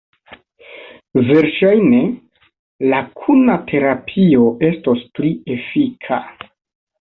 Verŝajne, la kuna terapio estos pli efika.